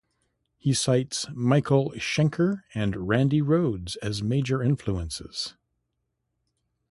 He cites Michael Schenker and Randy Rhoads as major influences.